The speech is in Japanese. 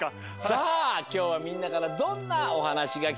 さあきょうはみんなからどんなおはなしがきけるかな？